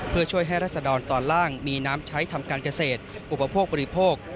เพื่อช่วยให้รัศดรตอนล่างมีน้ำใช้ทำการเกษตรอุปโภคบริโภค